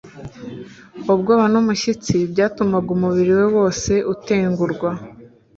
ubwoba n'umushyitsi byatumaga umubiri we wose utengurwa